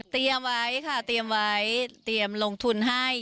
ไว้ค่ะเตรียมไว้เตรียมลงทุนให้